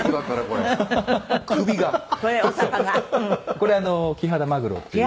これキハダマグロっていう。